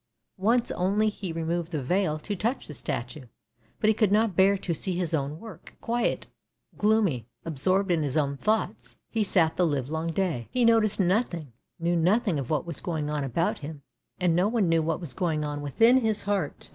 Once only he removed the veil to touch the statue, but he could not bear to see his own work. Quiet, gloomy, absorbed in his own thoughts, he sat the live long day. He noticed nothing, knew nothing of what was going on about him, and no one knew what was going on within his heart.